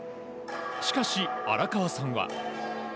しかし、荒川さんは。